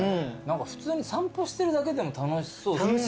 普通に散歩してるだけでも楽しそうっすよね。